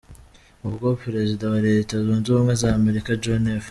Ubwo Perezida wa Leta Zunze Zbumwe za Amerika John F.